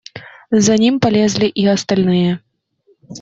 За ним полезли и остальные.